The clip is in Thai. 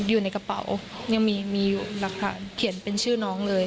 อยู่ในกระเป๋ายังมีรักษาเขียนเป็นชื่อน้องเลย